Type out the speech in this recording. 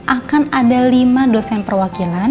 akan ada lima dosen perwakilan